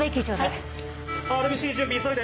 ＲＢＣ準備急いで！